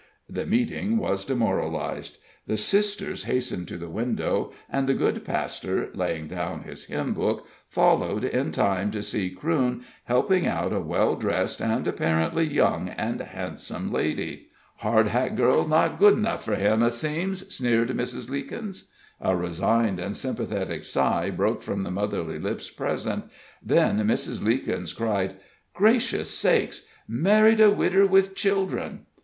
The meeting was demoralized; the sisters hastened to the window, and the good pastor, laying down his hymn book, followed in time to see Crewne helping out a well dressed and apparently young and handsome lady. "Hardhack girls not good 'nough for him, it seems!" sneered Mrs. Leekins. A resigned and sympathetic sigh broke from the motherly lips present, then Mrs. Leekins cried: "Gracious sakes! married a widder with children!"